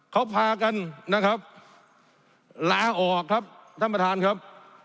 เขาพากันนะครับลาออกครับท่านประธานครับ